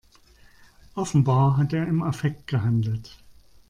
Offenbar hat er im Affekt gehandelt.